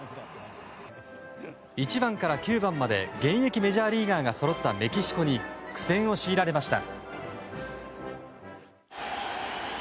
１番から９番まで現役メジャーリーガーがそろったメキシコに苦戦を強いられました。